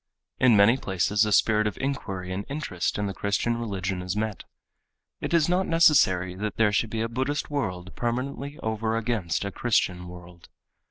In many places a spirit of inquiry and interest in the Christian religion is met. It is not necessary that there should be a Buddhist world permanently over against a Christian world.